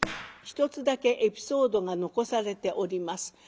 一つだけエピソードが残されております。